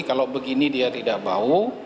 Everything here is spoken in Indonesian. kalau begini dia tidak bau